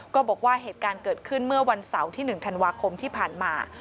ก็บอกว่าเหตุการณ์เกิดขึ้นเมื่อวันเสาร์ที่๑ธันวาคมที่ผ่านมา